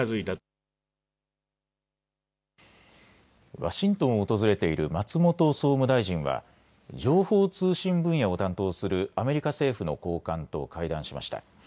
ワシントンを訪れている松本総務大臣は情報通信分野を担当するアメリカ政府の高官と会談しました。